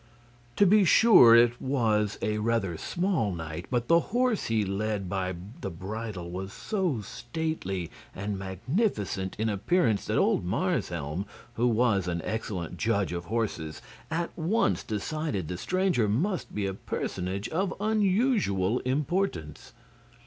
To be sure it was a rather small knight, but the horse he led by the bridle was so stately and magnificent in appearance that old Marshelm, who was an excellent judge of horses, at once decided the stranger must be a personage of unusual importance.